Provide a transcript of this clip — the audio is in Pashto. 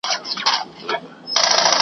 خزانونه رخصتیږي نوبهار په سترګو وینم .